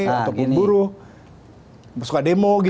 untuk pemburu nah gini